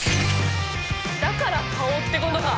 だから顔ってことか！